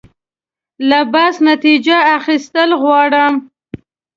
له بحث نتیجه اخیستل غواړم.